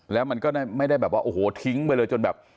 แล้วมันก็ไม่ได้แบบว่าโอ้โหทิ้งไปเลยจนแบบ